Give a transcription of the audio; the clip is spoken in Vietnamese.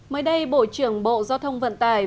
mới đây bộ trưởng bộ giao thông vận tải